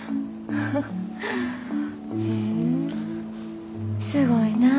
ふんすごいなあ。